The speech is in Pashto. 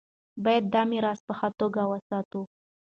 باید دا میراث په ښه توګه وساتو.